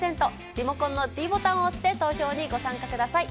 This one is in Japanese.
リモコンのｄボタンを押して、投票にご参加ください。